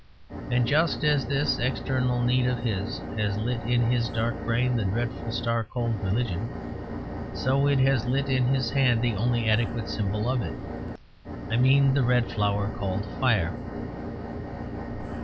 And just as this external need of his has lit in his dark brain the dreadful star called religion, so it has lit in his hand the only adequate symbol of it: I mean the red flower called Fire.